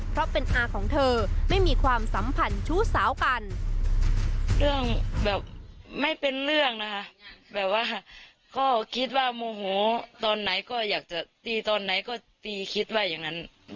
เพราะเป็นอาของเธอไม่มีความสัมพันธ์ชู้สาวกัน